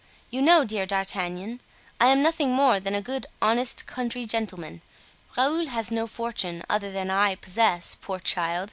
You know, dear D'Artagnan, I am nothing more than a good honest country gentleman. Raoul has no fortune other than I possess, poor child!